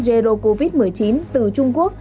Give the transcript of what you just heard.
zero covid một mươi chín từ trung quốc